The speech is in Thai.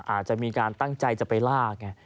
อาจจะมีการตั้งใจจะไปล่าไง